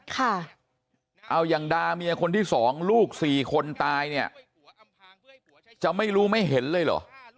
ค่ะเอาอย่างดาเมียคนที่สองลูกสี่คนตายเนี่ยจะไม่รู้ไม่เห็นเลยเหรอ